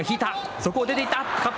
そこを出ていった。